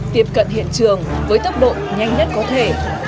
tiếp cận hiện trường với tốc độ nhanh nhất có thể